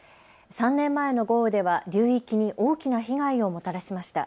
３年前の豪雨では流域に大きな被害をもたらしました。